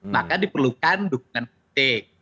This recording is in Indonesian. maka diperlukan dukungan politik